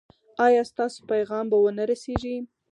ایا ستاسو پیغام به و نه رسیږي؟